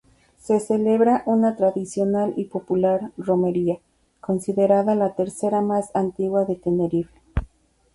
Se celebra una tradicional y popular romería, considerada la tercera más antigua de Tenerife.